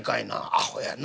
アホやな。